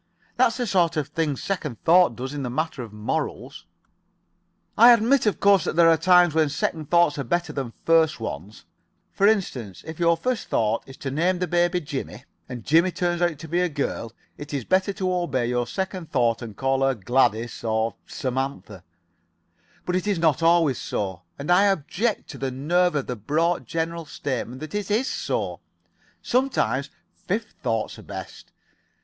That's the sort of thing second thought does in the matter of morals. "I admit, of course, that there are times when second thoughts are better than first ones for instance, if your first thought is to name the baby Jimmie and Jimmie turns out to be a girl, it is better to obey your second thought and call her Gladys or Samantha but it is not always so, and I object to the nerve of the broad, general statement that it is so. Sometimes fifth thoughts are best.